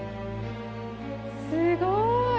すごい。